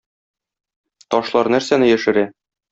Ташлар нәрсәне яшерә?